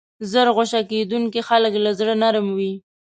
ژر غصه کېدونکي خلک له زړه نرم وي.